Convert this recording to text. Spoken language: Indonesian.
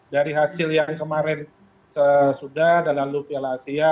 dari hasil yang kemarin sesudah dan lalu piala asia